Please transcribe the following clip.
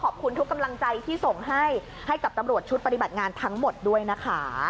ขอบคุณทุกกำลังใจที่ส่งให้ให้กับตำรวจชุดปฏิบัติงานทั้งหมดด้วยนะคะ